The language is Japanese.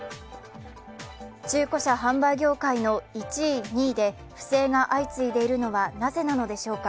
中古車販売業界の１位、２位で不正が相次いでいるのはなぜなのでしょうか。